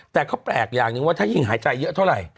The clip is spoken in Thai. แต่ก็แปลกอย่างหนึ่งว่าถ้ายิ่งหายใจเยอะเท่าไหร่